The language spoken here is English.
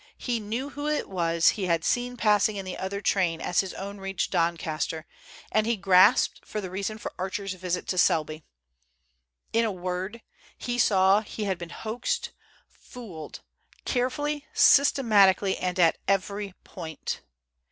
He knew who it was he had seen passing in the other train as his own reached Doncaster, and he grasped the reason for Archer's visit to Selby. In a word, he saw he had been hoaxed—fooled—carefully, systematically, and at every point.